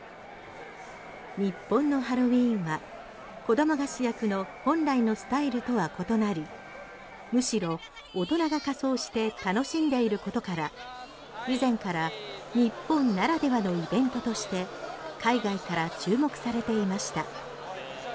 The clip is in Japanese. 日本のハロウィンは子どもが主役の本来のスタイルとは異なりむしろ大人が仮装して楽しんでいることから以前から日本ならではのイベントとして海外から注目されていました。